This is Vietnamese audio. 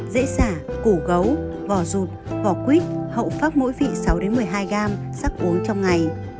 dễ xả củ gấu vỏ rụt vỏ quýt hậu phát mỗi vị sáu một mươi hai gram sắc uống trong ngày